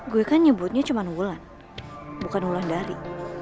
gue kan nyebutnya cuma wulan bukan wulandari